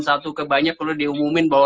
satu kebanyak perlu diumumin bahwa